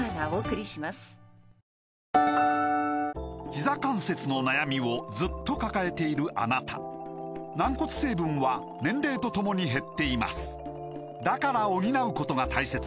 ひざ関節の悩みをずっと抱えているあなた軟骨成分は年齢とともに減っていますだから補うことが大切です